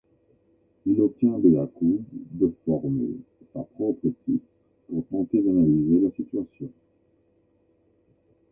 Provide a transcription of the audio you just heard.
Il obtient de Yakoub de former sa propre équipe pour tenter d'analyser la situation.